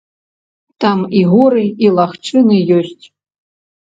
Там і горы і лагчыны ёсць.